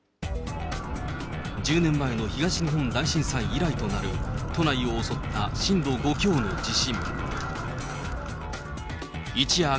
１０年前の東日本大震災以来となる都内を襲った震度５強の地震。